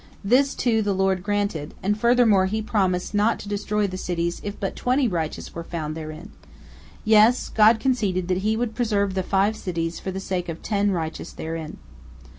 This, too, the Lord granted, and furthermore He promised not to destroy the cities if but twenty righteous were found therein; yes, God conceded that He would preserve the five cities for the sake of ten righteous therein.